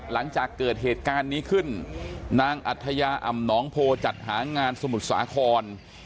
หลังจากเกิดเหตุการณ์นี้ขึ้นนางอัธยาอ่ำหนองโพจัดหางานสมุทรสาคร